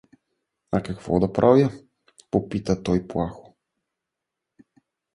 — А какво да правя? — попита той плахо.